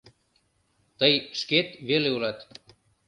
Тый шкет веле улат.